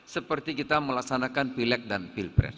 seperti kita melaksanakan pilek dan pilpres